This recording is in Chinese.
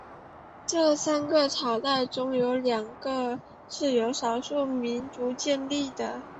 这三个朝代中有两个是由少数民族建立的。